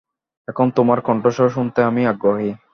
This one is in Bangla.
এখন তোমার কন্ঠস্বর শুনতেই আমি আগ্রহী।